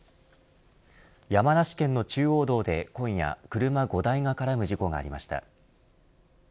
山梨県の中央道で今夜車５台が絡む事故がありました。